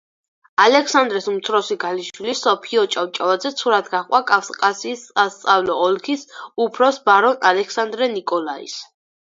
ალექსანდრეს უმცროსი ქალიშვილი სოფიო ჭავჭავაძე ცოლად გაჰყვა კავკასიის სასწავლო ოლქის უფროსს ბარონ ალექსანდრე ნიკოლაის.